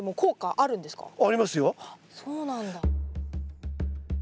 あっそうなんだ。